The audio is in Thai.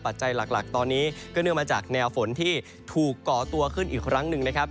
ปัจจัยหลักตอนนี้ก็เนื่องมาจากแนวฝนที่ถูกก่อตัวขึ้นอีกครั้งหนึ่งนะครับ